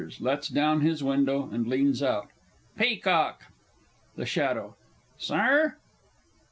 (lets down his window, and leans out). Peacock! THE SHADOW. Sir?